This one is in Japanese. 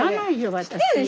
私。